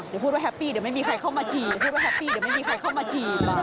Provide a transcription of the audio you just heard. อย่าพูดว่าแฮปปี้เดี๋ยวไม่มีใครเข้ามาจีบ